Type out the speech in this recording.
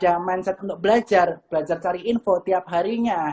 maka kita bisa memanfaatkan mindset untuk belajar belajar cari info tiap harinya